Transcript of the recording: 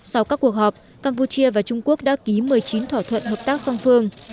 sau các cuộc họp campuchia và trung quốc đã ký một mươi chín thỏa thuận hợp tác song phương